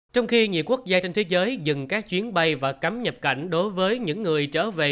trong khi nhiều quốc gia trên thế giới dừng các chuyến bay và cấm nhập cảnh đối với những người trở về